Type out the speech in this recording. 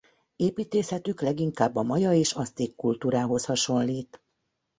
Építészetük leginkább a maja és azték kultúrához hasonlít.